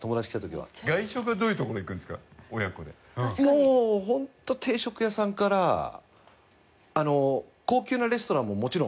もうホント定食屋さんから高級なレストランももちろん。